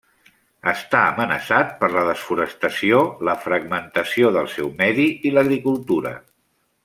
Està amenaçat per la desforestació, la fragmentació del seu medi i l'agricultura.